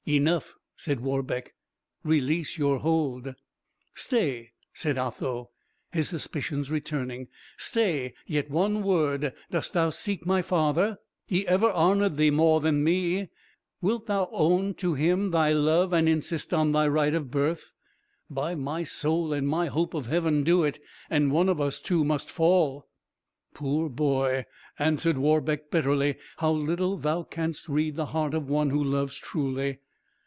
"Enough," said Warbeck; "release your hold." "Stay," said Otho, his suspicions returning; "stay yet one word; dost thou seek my father? He ever honoured thee more than me: wilt thou own to him thy love, and insist on thy right of birth? By my soul and my hope of heaven, do it, and one of us two must fall!" "Poor boy!" answered Warbeck, bitterly; "how little thou canst read the heart of one who loves truly!